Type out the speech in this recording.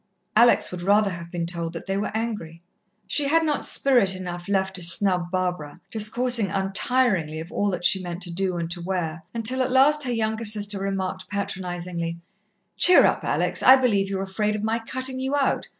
Alex would rather have been told that they were angry. She had not spirit enough left to snub Barbara, discoursing untiringly of all that she meant to do and to wear, until at last her younger sister remarked patronizingly: "Cheer up, Alex. I believe you're afraid of my cutting you out.